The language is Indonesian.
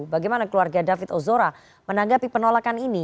bagaimana keluarga david ozora menanggapi penolakan ini